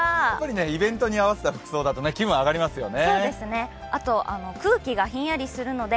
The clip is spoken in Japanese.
イベントに合わせた服装だと気分が上がりますよね。